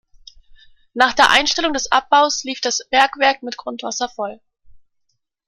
Nach der Einstellung des Abbaus lief das Bergwerk mit Grundwasser voll.